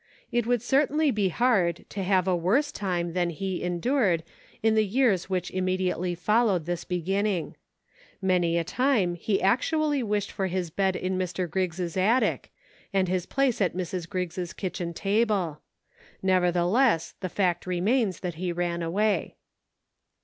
It would certainly be hard to have a worse time than he endured in the years which immediately followed this beginning. Many a time he actually wished for his bed in Mr. Griggs attic, and his place at Mrs. Griggs' kitchen table. Nevertheless, the fact remains that he ran away.